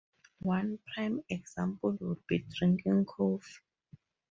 One prime example would be drinking coffee.